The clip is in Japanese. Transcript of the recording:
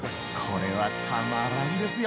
これはたまらんですよ！